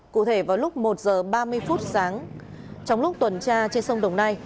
cụ thể vào lúc một h ba mươi phút sáng trong lúc tuần tra trên sông đồng nai